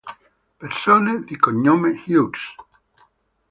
Persone di cognome Hughes